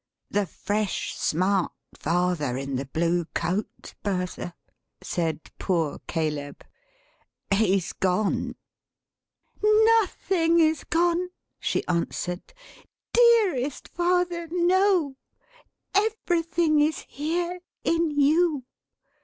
"The fresh smart father in the blue coat, Bertha," said poor Caleb. "He's gone!" "Nothing is gone," she answered. "Dearest father, no! Everything is here in you.